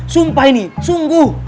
sumpah ini sungguh